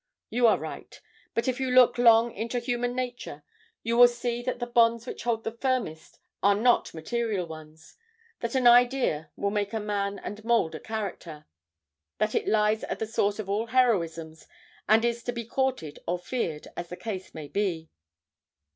You are right; but if you look long into human nature, you will see that the bonds which hold the firmest are not material ones that an idea will make a man and mould a character that it lies at the source of all heroisms and is to be courted or feared as the case may be.